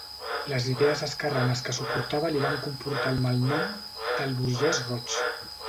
Les idees esquerranes que suportava li van comportar el malnom d'"El burgés roig".